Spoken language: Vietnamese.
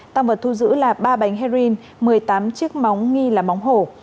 tăng vật thu giữ là ba bánh heroin một mươi tám chiếc móng nghi là móng hổ